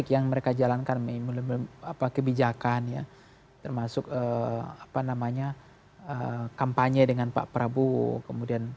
yang mereka jalankan kebijakan ya termasuk kampanye dengan pak prabowo